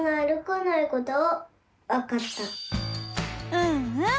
うんうん！